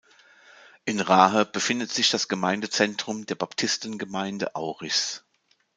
In Rahe befindet sich das Gemeindezentrum der Baptistengemeinde Aurichs.